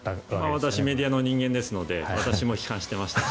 私もメディアの人間ですので私も批判していました。